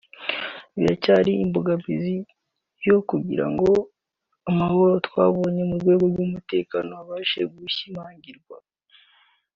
biracyari imbogamizi yo kugira ngo amahoro twabonye mu rwego rw’umutekano abashe gushimangirwa